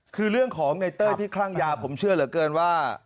คือเรื่องของในเต้ยที่คลั่งยาผมเชื่อเหลือเกินว่า